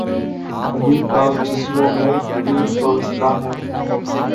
ابھی پاک جسموں میں تیر پیوستہ ہیں